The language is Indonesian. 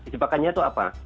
jebakannya itu apa